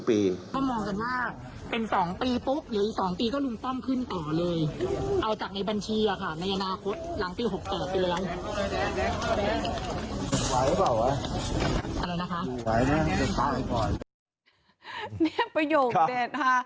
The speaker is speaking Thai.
นี่ประโยคเด่นค่ะ